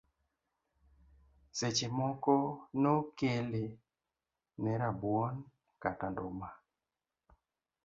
Seche moko nokele ne rabuon kata nduma.